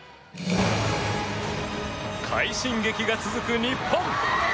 快進撃が続く日本。